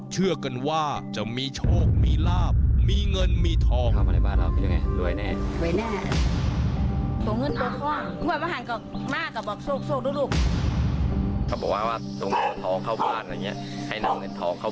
เชื่อกันว่าจะมีโชคมีลาบมีเงินมีทอง